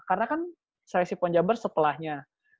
karena kan seleksi pon jabar setelahnya